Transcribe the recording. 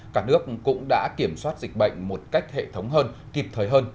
cả nước cũng đã kiểm soát dịch bệnh một cách hệ thống hơn kịp thời hơn